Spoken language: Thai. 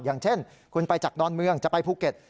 อย่างเช่นคุณไปจากดอนเมืองจะไปภูเก็ต